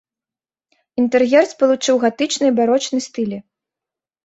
Інтэр'ер спалучыў гатычны і барочны стылі.